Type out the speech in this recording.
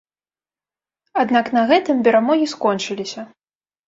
Аднак на гэтым перамогі скончыліся.